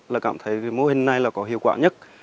là cảm thấy mô hình này là có hiệu quả nhất